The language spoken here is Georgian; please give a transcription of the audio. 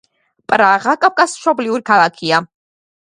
პრაღა კაფკას მშობლიური ქალაქია.